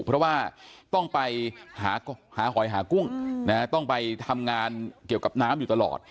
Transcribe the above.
เพราะว่าต้องไปหาหอยหากุ้งต้องไปทำงานเกี่ยวกับน้ำอยู่ตลอด